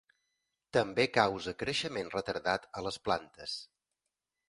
També causa creixement retardat a les plantes.